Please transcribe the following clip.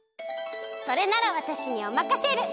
それならわたしにおまかシェル！